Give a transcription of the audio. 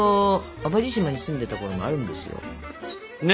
淡路島に住んでたころもあるんですよ。ね。